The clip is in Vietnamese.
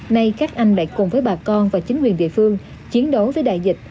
nay các anh lại cùng với bà con và chính quyền địa phương chiến đấu với đại dịch